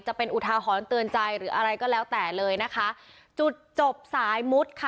จะเป็นอุทาหรณ์เตือนใจหรืออะไรก็แล้วแต่เลยนะคะจุดจบสายมุดค่ะ